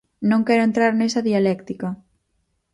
Non quero entrar nesa dialéctica.